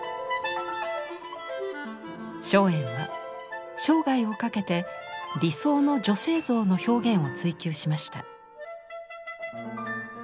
松園は生涯をかけて理想の女性像の表現を追求しました。